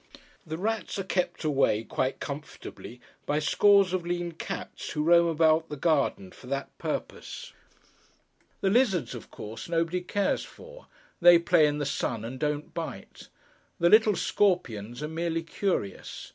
The rats are kept away, quite comfortably, by scores of lean cats, who roam about the garden for that purpose. The lizards, of course, nobody cares for; they play in the sun, and don't bite. The little scorpions are merely curious.